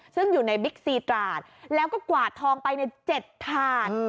ซึ่งอยู่ในบิ๊กซีตราดแล้วก็กวาดทองไปใน๗ถาด